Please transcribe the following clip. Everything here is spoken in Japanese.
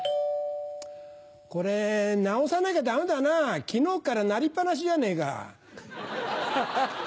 これ直さなきゃダメだなぁ昨日から鳴りっ放しじゃねえか。